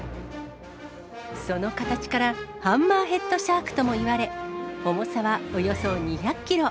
その形から、ハンマーヘッドシャークともいわれ、重さはおよそ２００キロ。